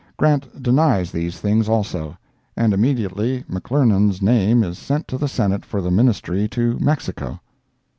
Grant denies these things also. And immediately McClernand's name is sent to the Senate for the ministry to Mexico.